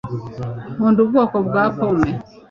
nkunda ubwoko bwa pome